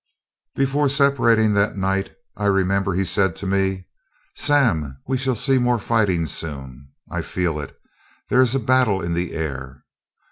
Before separating that night, I remember he said to me, "Sam, we shall see more fighting soon: I feel it; there is a battle in the air."